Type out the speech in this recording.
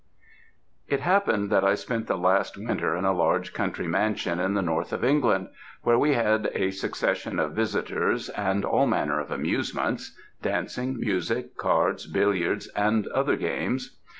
It happened that I spent the last winter in a large country mansion, in the north of England, where we had a succession of visitors, and all manner of amusements dancing, music, cards, billiards, and other games.